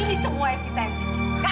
ini semua evita yang bikin